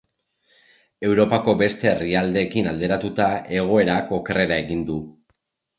Europako beste herrialdeekin alderatuta egoerak okerrera egin du.